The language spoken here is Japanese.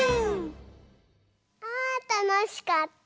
あたのしかった！